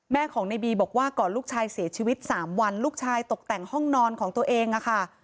แม่ของในบีบอกว่าก่อนลูกชายเสียชีวิต๓วันลูกชายตกแต่งห้องนอนของตัวเองค่ะ